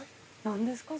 何ですか？